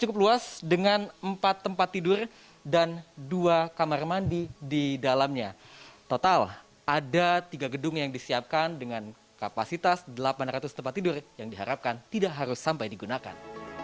bandung yang disiapkan dengan kapasitas delapan ratus tempat tidur yang diharapkan tidak harus sampai digunakan